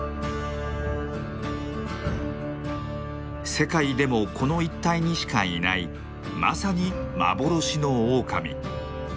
世界でもこの一帯にしかいないまさに幻のオオカミ。